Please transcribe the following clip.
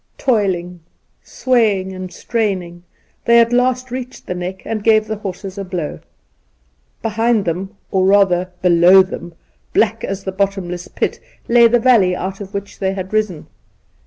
Toiling, swaying, and straining, they at last reached the Neck, and gave the horses a blow. Behind them, or rather below them, black as the bottomless pit, lay the valley out of which they had risen.